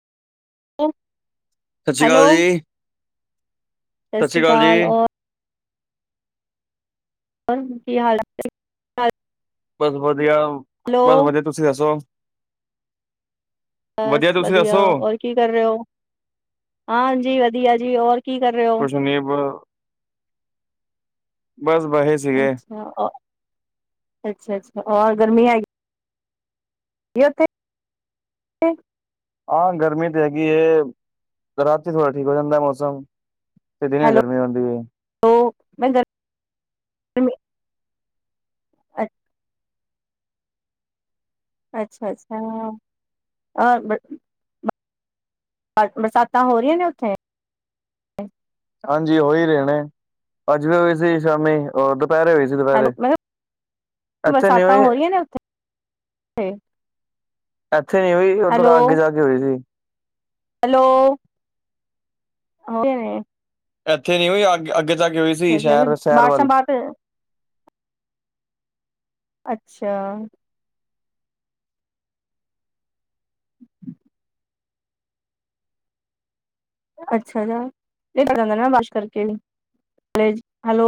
ਸਤਿ ਸ਼੍ਰੀ ਅਕਾਲ ਹੈਲੋ ਜੀ। ਸਤਿ ਸ੍ਰੀ ਅਕਾਲ ਔਰ [unintelligible] ਕੀ ਹਾਲਤ ਬੱਸ ਵਧੀਆ, ਹੈਲੋ ਬੱਸ ਵਧੀਆ, ਤੁਸੀਂ ਦੱਸੋ ਵਧੀਆ, ਬਸ ਤੁਸੀਂ ਦੱਸੋ। ਔਰ ਕੀ ਕਰ ਰਹੇ ਹੋ? ਹਾਂਜੀ ਵਧੀਆ ਜੀ, ਹੋਰ ਕੁਛ ਨੀ ਬ ਬੱਸ ਬਹੇ ਸੀਗੇ। [inaudible] ਹਾਂ ਅ ਅੱਛਾ, ਅੱਛਾ ਰ ਗਰਮੀ ਹੈਗੀ ਯਥ। [unintelligible] ਹਾਂ, ਗਰਮੀ ਤੇ ਹੈਗੀ ਏ। ਰਾਤੀ ਥੋੜ੍ਹਾ ਠੀਕ ਹੋ ਜਾਂਦਾ। ਮੌਸਮ ਤੇ ਦਿਨੇ ਗਰਮੀ ਹੁੰਦੀ ਹੈ। ਓ ਮੈਂ [unintelligible] ਅੱ [inaudible] ਅੱਛਾ, ਅੱਛਾ ਔਰ ਬ - [unintelligible] ਬਰਸਾਤਾਂ, ਹੋ ਰਹੀਆਂ ਨੇ ਉੱਥੇ ਹਾਂਜੀ, ਹੋਈ ਰਹੇ ਨੇ, ਅੱਜ ਵੀ ਹੋਏ ਸੀ ਸ਼ਾਮੀ, ਅ ਦੁਪਹਿਰੇ ਹੋਈ ਦੁਪਹਿਰੇ, ਹੈਲੋ ਮੈਂ ਕਿਹਾ ਇੱਥੇ ਨੀ ਬਰਸਾਤਾਂ ਹੋਈ ਹੋ ਰਹੀਆਂ ਨੇ ਉੱਥੇ ਇੱਥੇ ਨੀ ਹੋਈ, ਉਹ ਹੈਲੋ ਥੋੜਾ ਅੱਗੇ ਜਾ ਕੇ ਹੋਈ ਸੀ। ਹੈਲੋ, ਹਾ ਭੈਣੇ ਇੱਥੇ ਨੀ ਹੋਈ, ਅ ਅੱਗੇ ਜਾ ਕੇ ਹੋਈ ਅੱਛਾ ਸੀ। ਅੱਛਾ ਵੀ ਸ਼ਹਿਰ ਸ਼ਹਿਰ ਵੱਲ [unintelligible] ਅੱਛਾ। ਅੱਛਾ ਜਾ ਜਾਂਦਾ ਨਾ [unintelligible] ਵਾਸ਼ ਕਰਕੇ ਵੀ।